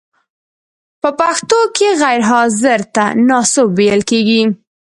په پښتو کې غیر حاضر ته ناسوب ویل کیږی.